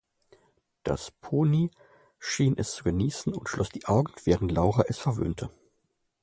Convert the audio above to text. Das Pony schien es zu genießen und schloss die Augen, während Laura es verwöhnte.